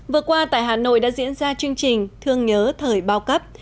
vừa qua tại hà nội đã diễn ra chương trình thương nhớ thời bao cấp